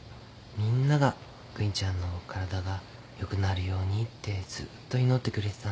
みんなが邦ちゃんの体がよくなるようにってずっと祈ってくれてたんだ。